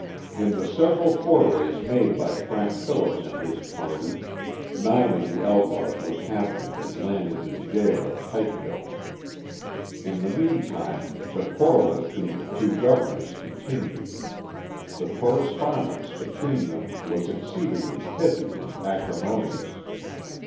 In the several forays made by Frank Phillips and his party nine of the outlaws were captured and landed in jail at Pikeville. In the meantime the quarrel between the two governors continued. The correspondence between them was exceedingly pithy and acrimonious.